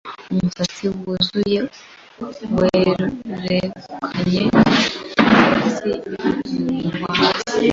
Umusatsi wuzuye werekanye munsi yumutwe we.